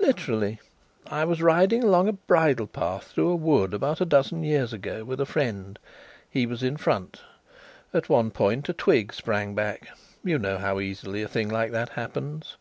"Literally.... I was riding along a bridle path through a wood about a dozen years ago with a friend. He was in front. At one point a twig sprang back you know how easily a thing like that happens.